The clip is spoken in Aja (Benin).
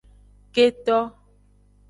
Keto.